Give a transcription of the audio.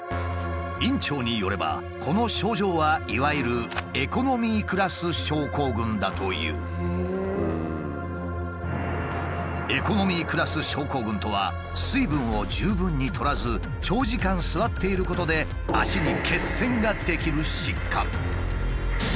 院長によればこの症状はいわゆる「エコノミークラス症候群」とは水分を十分にとらず長時間座っていることで脚に血栓が出来る疾患。